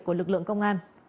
của lực lượng công an